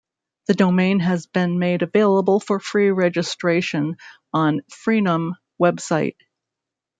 The domain has been made available for free registration on Freenom website.